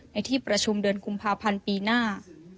ในที่ประชุมเดือนกุมภาพันธ์ปีหน้า